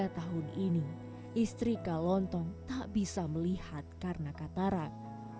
tiga tahun ini istri kalontong tak bisa melihat karena katarak